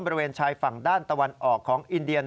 บริเวณชายฝั่งด้านตะวันออกของอินเดีย